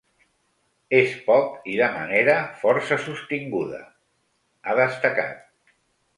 “És poc i de manera força sostinguda”, ha destacat.